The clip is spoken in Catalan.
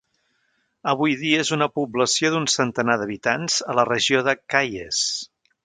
Avui dia és una població d'un centenar d'habitants a la regió de Kayes.